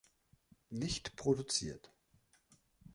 Nicht Produziert.